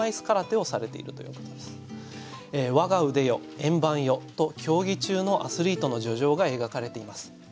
「円盤よ」と競技中のアスリートの叙情が描かれています。